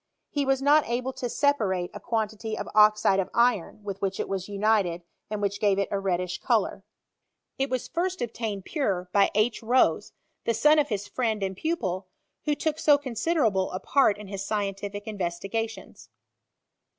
He was not able to separate a quantity of oxide of iron, with which it was united, and which gave it a reddish colour. It was first 508 f 07 CMIMllTRT. I obtained pure by H. Rose, the son of hia friend and pupil , who took so considerable a part in hia scientfic investigatioas.